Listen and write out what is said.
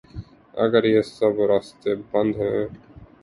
اگریہ سب راستے بند ہیں۔